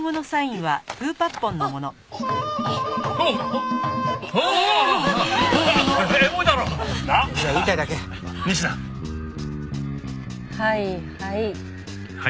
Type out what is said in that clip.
はいはい。